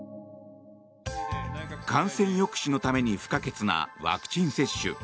感染抑止のために不可欠なワクチン接種。